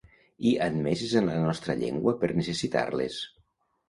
I admeses en la nostra llengua per necessitar-les.